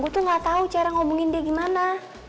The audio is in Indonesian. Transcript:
gue tuh nggak tahu cara ngobongin dia gimana